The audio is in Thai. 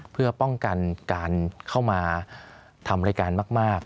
เพื่อป้องกันการเข้ามาทำรายการมาก